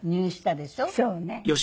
そうね。